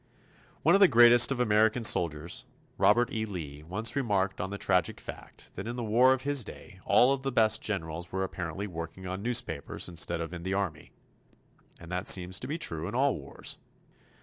One of the greatest of American soldiers, Robert E. Lee, once remarked on the tragic fact that in the war of his day all of the best generals were apparently working on newspapers instead of in the Army. And that seems to be true in all wars.